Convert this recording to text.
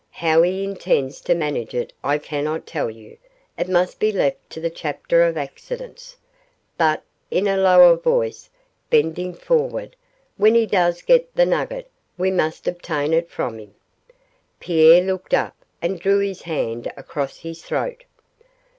How he intends to manage it I cannot tell you it must be left to the chapter of accidents; but,' in a lower voice, bending forward, 'when he does get the nugget we must obtain it from him.' Pierre looked up and drew his hand across his throat.